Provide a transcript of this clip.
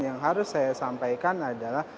yang harus saya sampaikan adalah